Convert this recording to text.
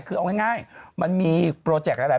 คือเอาง่ายมันมีโปรเจกต์หลาย